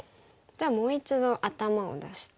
じゃあもう一度頭を出して。